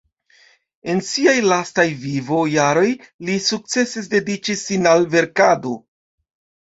En siaj lastaj vivo-jaroj, li sukcese dediĉis sin al verkado.